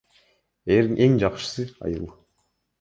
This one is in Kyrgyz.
Эң жакшысы — айыл.